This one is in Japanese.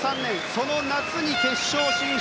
その夏に決勝進出。